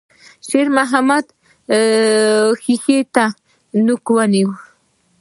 شېرمحمد ښيښې ته نوک ونيو.